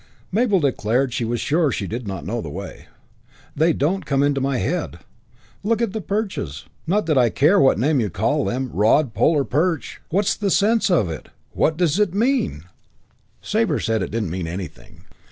Mabel declared she was sure she did not know the way. "They don't come into my head. Look at the Perches not that I care what name you call them. Rod, Pole or Perch! What's the sense of it? What does it mean?" Sabre said it didn't mean anything.